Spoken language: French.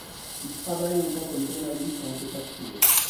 Il travaille un temps comme journaliste et enquêteur privé.